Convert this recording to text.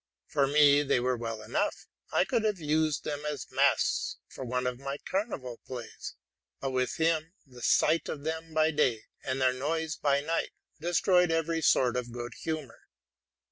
For me they were well enough; I could have used them as masks for one of my carnival plays: but with him the sight of them by day, and their noise by night, destroyed eyery sort of good humor.